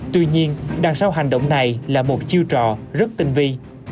tuy nhiên đằng sau hành động này là một chiêu trò rất tinh vi